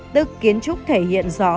tức kiến trúc thể hiện rõ